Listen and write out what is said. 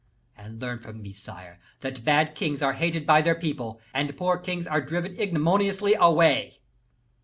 And learn from me, sire, that bad kings are hated by their people, and poor kings are driven ignominiously away.